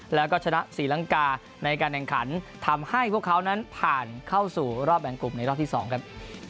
แล้วก็ชนะศรีลังกาในการแข่งขันทำให้พวกเขานั้นผ่านเข้าสู่รอบแบ่งกลุ่มในรอบที่๒ครับ